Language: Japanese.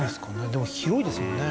でも広いですよね